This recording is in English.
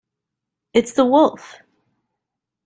It's the Wolf!